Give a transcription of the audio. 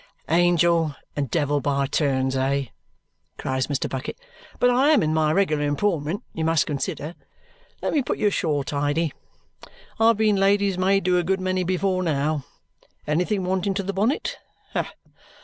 "Angel and devil by turns, eh?" cries Mr. Bucket. "But I am in my regular employment, you must consider. Let me put your shawl tidy. I've been lady's maid to a good many before now. Anything wanting to the bonnet?